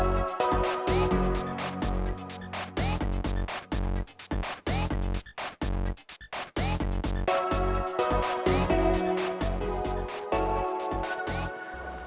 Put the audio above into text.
saatnya gue berakhir lagi